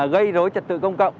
gây rối trật tự công cộng